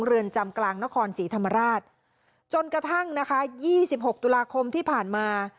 เรือนจำกลางนครศรีธรรมราชจนกระทั่งนะคะยี่สิบหกตุลาคมที่ผ่านมา